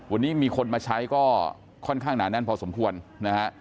วันนี้มีคนมาใช้ก็ค่อนข้างหนาแน่นพอสมควรนะฮะ